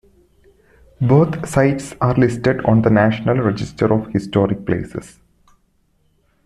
Both sites are listed on the National Register of Historic Places.